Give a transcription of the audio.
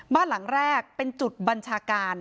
บ้านหลังแรกเป็นจุดบัญชาการ